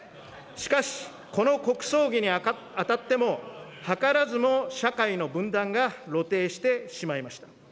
しかし、この国葬儀にあたっても、はからずも社会の分断が露呈してしまいました。